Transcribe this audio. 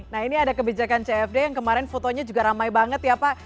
nah ini ada kebijakan cfd yang kemarin fotonya juga ramai banget ya pak